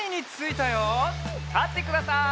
たってください。